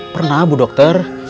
pernah bu dokter